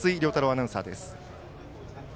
アナウンサーです。